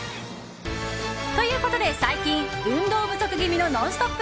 ということで最近、運動不足気味の「ノンストップ！」